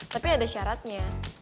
tapi ada syaratnya